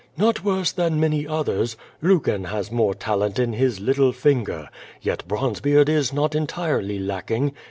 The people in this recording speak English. "Not worse than many others. Lucan has more talent in his little finger. Yet Bronzebeard is not entirely lacking.